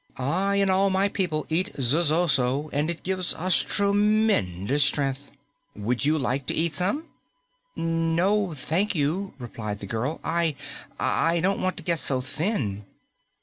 I and all my people eat zosozo, and it gives us tremendous strength. Would you like to eat some?" "No thank you," replied the girl. "I I don't want to get so thin."